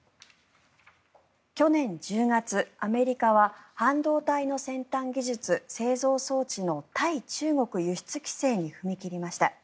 去年１０月、アメリカは半導体の先端技術・製造装置の対中国輸出規制に踏み切りました。